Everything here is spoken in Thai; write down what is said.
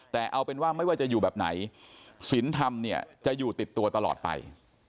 แต่เอาเป็นว่าไม่ว่าจะอยู่แบบไหนสินธรรมเนี่ยจะอยู่ติดตัวตลอดไป